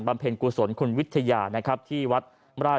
บำเพ็ญกุศลคุณวิทยานะครับ